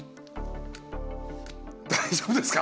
大丈夫ですか！